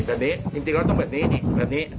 แบบนี้จริงแล้วต้องแบบนี้แบบนี้